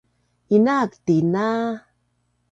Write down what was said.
Inaak tina